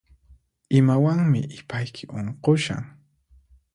Imawanmi ipayki unqushan?